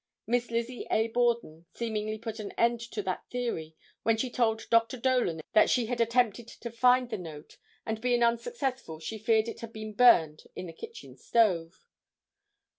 Miss Lizzie A. Borden seemingly put an end to that theory when she told Dr. Dolan that she had attempted to find the note and being unsuccessful, she feared it had been burned in the kitchen stove.